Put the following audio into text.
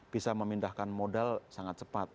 bisa memindahkan modal sangat cepat